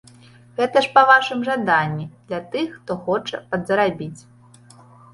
Гэта ж па вашым жаданні, для тых, хто хоча падзарабіць.